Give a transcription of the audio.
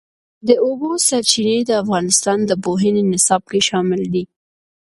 د اوبو سرچینې د افغانستان د پوهنې نصاب کې شامل دي.